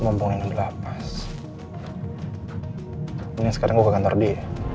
ngomongin belapas ini sekarang gua gantar di